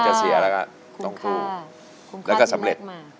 แล้วก็สำเร็จ